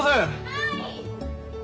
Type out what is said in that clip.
・はい！